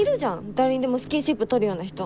誰にでもスキンシップとるような人。